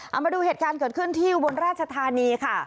เอามาดูเหตุการณ์เกิดขึ้นที่อุบลราชธานีค่ะ